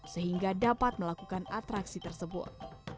sehingga dapat melakukan atraksi tersebut